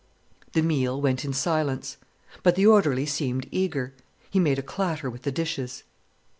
The meal went in silence. But the orderly seemed eager. He made a clatter with the dishes.